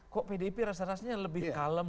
kok pdp rasanya lebih kalem